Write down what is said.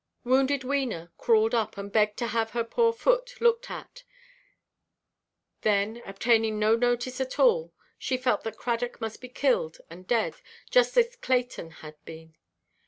Wounded Wena crawled up, and begged to have her poor foot looked at, then, obtaining no notice at all, she felt that Cradock must be killed and dead, just as Clayton had been.